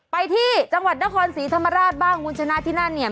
ไปที่จังหวัดนครศรีธรรมราชบ้างคุณชนะที่นั่นเนี่ย